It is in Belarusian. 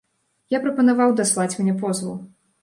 Я прапанаваў даслаць мне позву.